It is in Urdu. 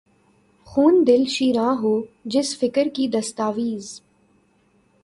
خون دل شیراں ہو، جس فقر کی دستاویز